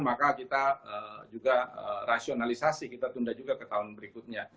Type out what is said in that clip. maka kita juga rasionalisasi kita tunda juga ke tahun berikutnya